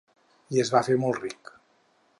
I es va fer molt ric.